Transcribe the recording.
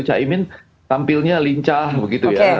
caimin tampilnya lincah begitu ya